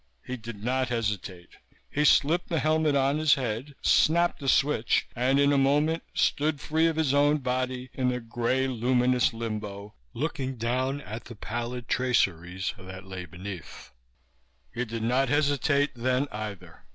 He did not hesitate. He slipped the helmet on his head, snapped the switch and in a moment stood free of his own body, in the gray, luminous limbo, looking down at the pallid traceries that lay beneath. He did not hesitate then either.